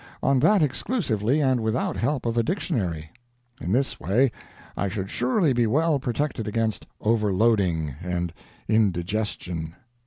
On that exclusively, and without help of a dictionary. In this way I should surely be well protected against overloading and indigestion.